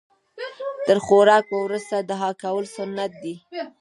تر خوراک وروسته دعا کول سنت ده